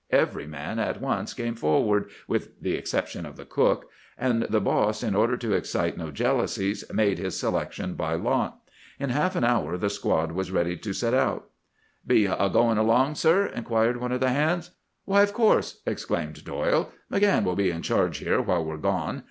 Every man at once came forward, with the exception of the cook; and the boss, in order to excite no jealousies, made his selection by lot. In half an hour the squad was ready to set out. "'Be you agoin' along, sir?' inquired one of the hands. "'Why, of course!' exclaimed Doyle. 'McCann will be in charge here while we're gone.